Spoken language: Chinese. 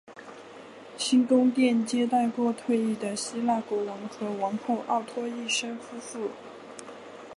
新宫殿接待过退位的希腊国王和王后奥托一世夫妇。